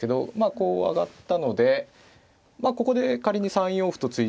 こう上がったのでここで仮に３四歩と突いちゃうと。